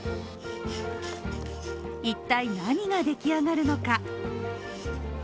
一体、何が出来上がるのか？